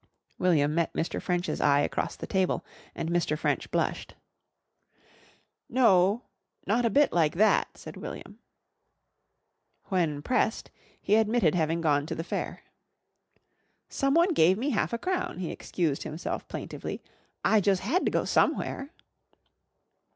William met Mr. French's eye across the table and Mr. French blushed. "No, not a bit like that," said William. When pressed, he admitted having gone to the fair. "Someone gave me half a crown," he excused himself plaintively. "I jus' had to go somewhere."